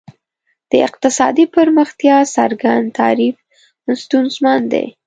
د اقتصادي پرمختیا څرګند تعریف ستونزمن دی.